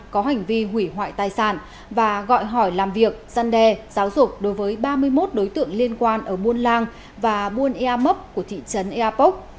có hành vi hủy hoại tài sản và gọi hỏi làm việc giăn đề giáo dục đối với ba mươi một đối tượng liên quan ở buôn làng và buôn eamok của thị trấn eapok